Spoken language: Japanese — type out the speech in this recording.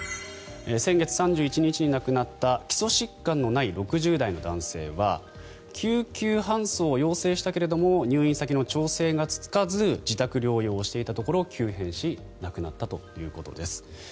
先月３１日に亡くなった基礎疾患のない６０代の男性は救急搬送を要請したけれども入院先の調整がつかず自宅療養をしていたところ急変し亡くなったということです。